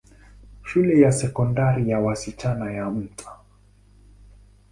Shule ya Sekondari ya wasichana ya Mt.